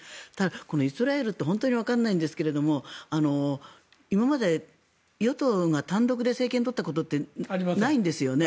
このイスラエルって本当にわからないんですけども今まで与党が単独で政権を取ったことってないんですよね。